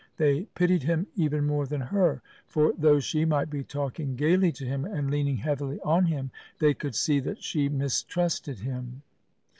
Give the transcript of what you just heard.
They pitied him even more than her, for though she might be talking gaily to him and leaning heavily on him, they could see that she mistrusted him.